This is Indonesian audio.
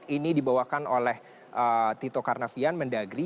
ini dibawakan oleh tito karnavian mendagri